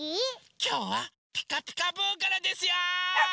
きょうは「ピカピカブ！」からですよ！